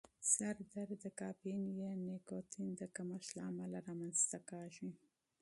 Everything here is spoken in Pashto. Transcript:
سر درد د کافین یا نیکوتین د کمښت له امله رامنځته کېږي.